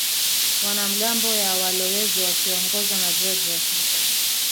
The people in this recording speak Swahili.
wanamgambo ya walowezi wakioongozwa na George Washington